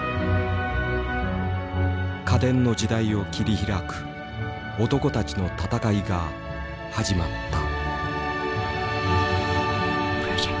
家電の時代を切り開く男たちの闘いが始まった。